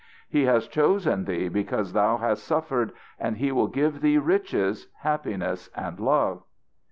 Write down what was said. "He has chosen thee because thou hast suffered, and He will give thee riches, happiness and love.